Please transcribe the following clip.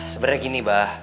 sebenernya gini bah